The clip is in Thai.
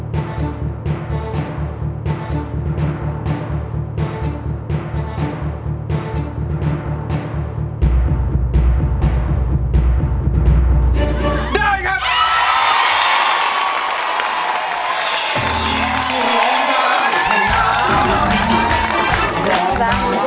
ได้ครับ